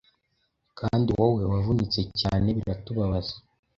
kandi wowe wavunitse cyane biratubabaza".